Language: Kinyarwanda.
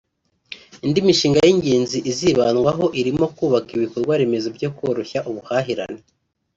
Indi mishinga y’ingenzi izibandwaho irimo kubaka ibikorwa remezo byo koroshya ubuhahirane